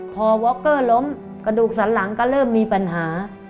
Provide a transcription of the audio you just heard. พอว็อกเกอร์ล้มกระดูกสันหลังก็เริ่มมีปัญหา